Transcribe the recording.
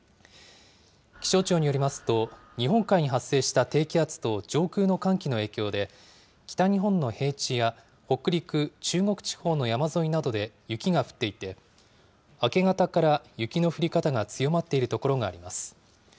気象庁によりますと、日本海に発生した低気圧と上空の寒気の影響で、北日本の平地や北陸、中国地方の山沿いなどで雪が降っていて、明け方から雪の降り方が強まっている所があります。